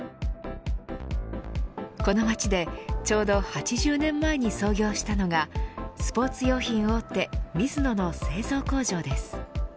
この町でちょうど８０年前に創業したのがスポーツ用品大手ミズノの製造工場です。